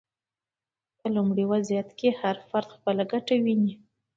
په لومړني وضعیت کې هر فرد خپله ګټه ویني.